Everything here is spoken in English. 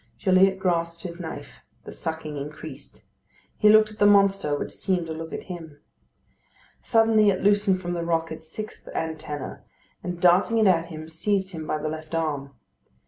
Gilliatt grasped his knife; the sucking increased. He looked at the monster, which seemed to look at him. Suddenly it loosened from the rock its sixth antenna, and darting it at him, seized him by the left arm.